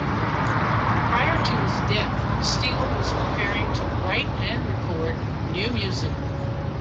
Prior to his death, Steele was preparing to write and record new music.